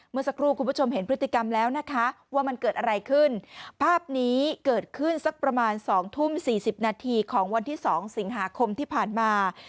เมื่อสักครู่คุณผู้ชมเห็นพฤติกรรมแล้วนะคะว่ามันเกิดอะไรขึ้นภาพนี้เกิดขึ้นสักประมาณ๒ทุ่ม๔๐นาทีของวันที่๒สิงหาคมที่ผ่านมา